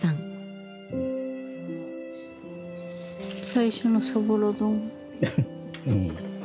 最初のそぼろ丼。